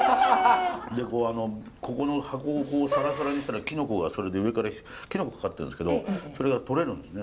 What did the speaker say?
でこうここの箱をサラサラにしたらきな粉がそれで上からきな粉かかってるんですけどそれが取れるんですね。